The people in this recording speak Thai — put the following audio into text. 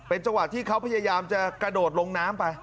จังหวะที่เขาพยายามจะกระโดดลงน้ำไป